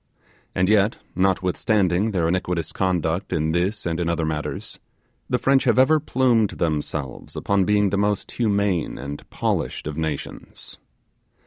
And yet, notwithstanding their iniquitous conduct in this and in other matters, the French have ever plumed themselves upon being the most humane and polished of nations.